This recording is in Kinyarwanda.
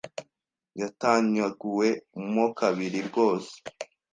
Yatanyaguwe mo kabiri rwose